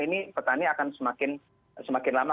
ini petani akan semakin lama